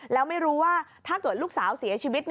แล้วไม่รู้ว่าถ้าเกิดลูกสาวเสียชีวิต